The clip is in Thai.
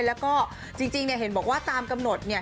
แล้วก็จริงเนี่ยเห็นบอกว่าตามกำหนดเนี่ย